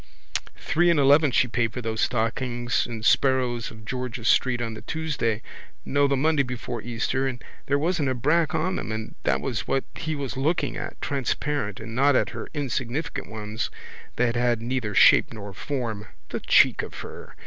Three and eleven she paid for those stockings in Sparrow's of George's street on the Tuesday, no the Monday before Easter and there wasn't a brack on them and that was what he was looking at, transparent, and not at her insignificant ones that had neither shape nor form (the cheek of her!)